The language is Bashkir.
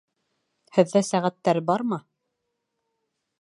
Һеҙҙә сәғәттәр бармы?